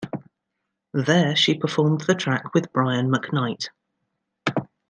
There, she performed the track with Brian McKnight.